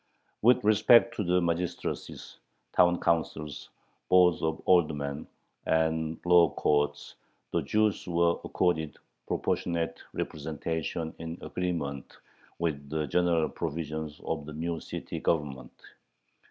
With respect to the magistracies, town councils, boards of aldermen, and law courts, the Jews were accorded proportionate representation in agreement with the general provisions of the new city government.